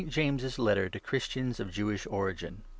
JAMES'S LETTER TO CHRISTIANS OF JEWISH ORIGIN.